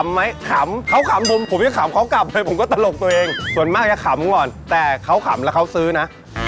ไหมขำเขาขำผมผมจะขำเขากลับเลยผมก็ตลกตัวเองส่วนมากจะขำก่อนแต่เขาขำแล้วเขาซื้อนะ